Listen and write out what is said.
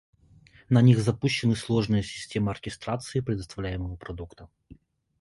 На них запущены сложные системы оркестрации предоставляемого продукта.